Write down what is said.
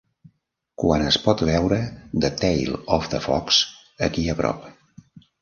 Quan es pot veure The Tale of the Fox aquí a prop